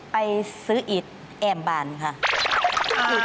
ไปซื้ออิตแอมบานค่ะ